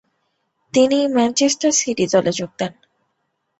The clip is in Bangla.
তিনি ম্যানচেস্টার সিটি দলে যোগদেন।